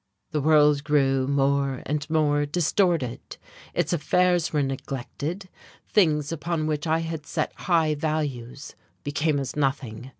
The world grew more and more distorted, its affairs were neglected, things upon which I had set high values became as nothing.